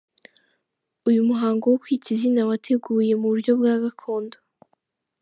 Uyu muhango wo kwita izina wateguye mu buryo bwa Gakondo.